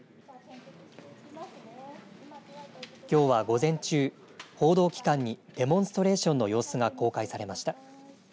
きょうは午前中、報道機関にデモンストレーションの様子が公開されました。